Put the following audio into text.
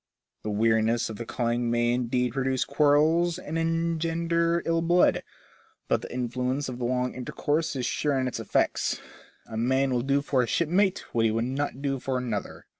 The weariness of the calling may indeed produce quarrels and engender ill F0BECA8TLS TRAITS, 95 blood : but tbe influence of the long intercourse is sure in its effects; a man will do for a shipmate what he would not do for another.